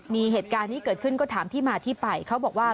มีเหตุการณ์นี้เกิดขึ้นก็ถามที่มาที่ไปเขาบอกว่า